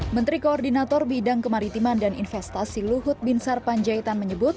menteri koordinator bidang kemaritiman dan investasi luhut binsar panjaitan menyebut